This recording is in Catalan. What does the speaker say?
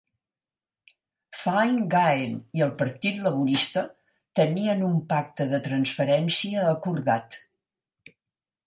Fine Gael i el Partit Laborista tenien un pacte de transferència acordat.